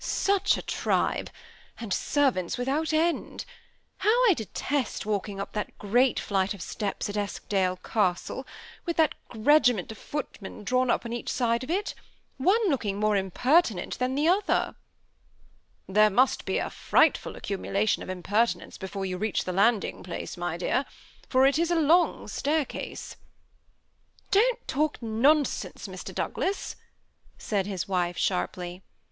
Such a tribe ! and servants without end. How I detest walking up that great flight of steps at Eskdale Castle, with that regiment of footmen drawn up on each side of it ; one looking more impertinent than the other !"" There must be a frightful accumulation of imper tinence before you reach the landing place, my dear; for it is a long staircase." " Don't talk nonsense, Mr. Douglas," said his wife^ 1 6 THE SEMI ATTACHED COUPLE. sharply.